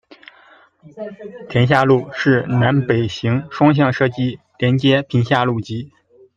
田厦路是南北行双向设计，连接屏厦路及。